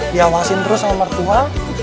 diawasin terus sama mertua